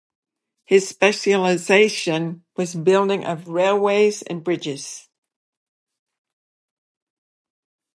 His specialization was building of railways and bridges.